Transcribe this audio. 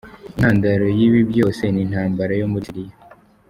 Intandaro y’ibi byose ni intambara yo muri Syria.